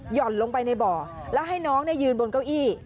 ห่อนลงไปในบ่อแล้วให้น้องยืนบนเก้าอี้